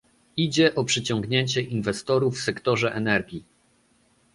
Idzie o przyciągnięcie inwestorów w sektorze energii